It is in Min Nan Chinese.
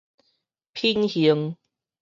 品行